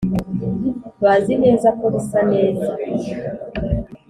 bazi neza ko bisa neza,